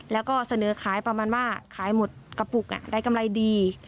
แล้วก็เสนอขายประมาณว่าขายหมดกระปุกได้กำไรดี